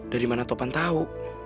dari mana topan tau